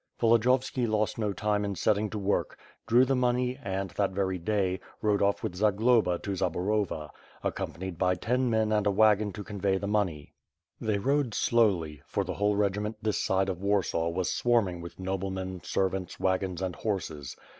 Volodiyoveki lost no time in setting to work, drew the money and, that very day, rode off with Zagloba to Zaborova, accompanied by ten men and a wagon to convey the money. They rode slowly, for the whole region this side of Warsaw was swarming with noblemen, sen^ants, wagons and horses.